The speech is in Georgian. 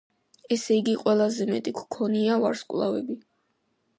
ესე იგი ყველაზე მეტი გვქონია ვარსკვლავები.